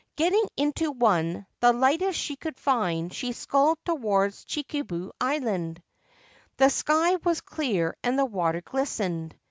Getting into one, the lightest she could find, she sculled towards Chikubu Island. The sky was clear and the water glistened.